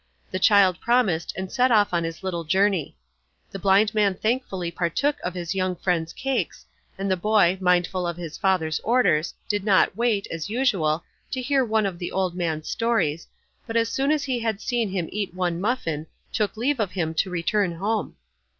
The child promised, and set off on his little journey. The blind man thankfully partook of his young friend's cakes, and the boy, mindful of his father's orders, did not wait, as usual, to hear one of the old man's stories, but as soon as he had seen him eat one muffin, took leave of him to return home.